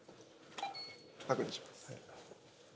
確認します。